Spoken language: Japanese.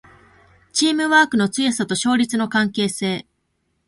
チームワークの強さと勝率の関係性